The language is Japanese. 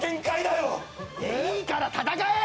いいから戦え！